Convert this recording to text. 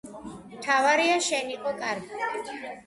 მთავარია შენ იყო კარგად